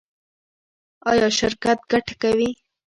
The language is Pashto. ایا شرکت ګټه کوي؟